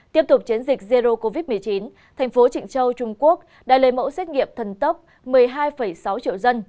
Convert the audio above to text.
tiếp tục chiến dịch zero covid một mươi chín thành phố trịnh châu trung quốc đã lấy mẫu xét nghiệm thần tốc một mươi hai sáu triệu dân